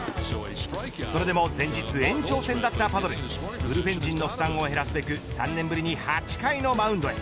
それでも前日延長戦だったパドレスブルペン陣に負担を減らすべく３年ぶり８回のマウンドへ。